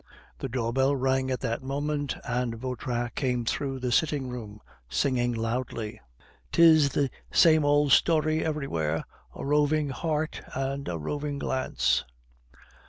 The door bell rang at that moment, and Vautrin came through the sitting room, singing loudly: "'Tis the same old story everywhere, A roving heart and a roving glance..